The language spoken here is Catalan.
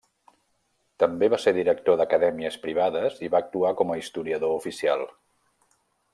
També va ser director d'acadèmies privades i va actuar com a historiador oficial.